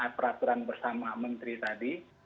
aturan aturan bersama menteri tadi